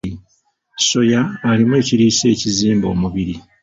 Soya alimu ekiriisa ekizimba omubiri.